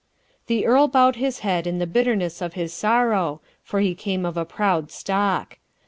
The earl bowed his head in the bitterness of his sorrow, for he came of a proud stock.